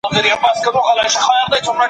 عدالتي نظام د بقا ضامن دی.